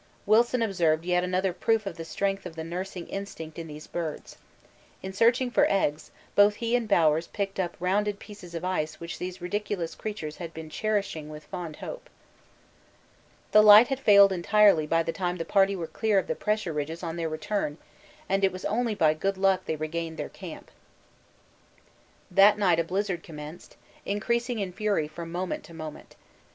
Wilson observed yet another proof of the strength of the nursing instinct in these birds. In searching for eggs both he and Bowers picked up rounded pieces of ice which these ridiculous creatures had been cherishing with fond hope. The light had failed entirely by the time the party were clear of the pressure ridges on their return, and it was only by good luck they regained their camp. That night a blizzard commenced, increasing in fury from moment to moment.